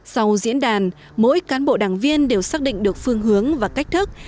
sau diễn đàn mỗi cán bộ đảng viên đều xác định được phương hướng và cách thức